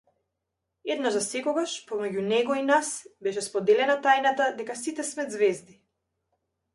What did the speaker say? Еднаш засекогаш, помеѓу него и нас, беше споделена тајната дека сите сме ѕвезди.